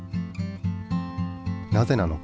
なぜなのか？